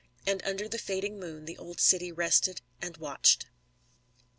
And under the fading moon the old city rested and watched.